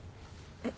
えっ？